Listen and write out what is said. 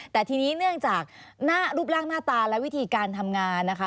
แต่ทีนี้เนื่องจากรูปร่างหน้าตาและวิธีการทำงานนะคะ